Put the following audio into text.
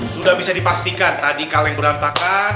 sudah bisa dipastikan tadi kaleng berantakan